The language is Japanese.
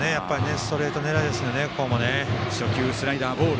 ストレート狙いですよね。